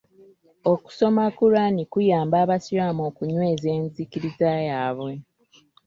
Okusoma Kulaani kuyamba abasiraamu okunyweeza enzikiriza yaabwe.